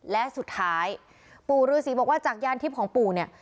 และสุดท้ายปู่ฤษีบอกว่าจากยานทิพย์ของปู่เนี่ย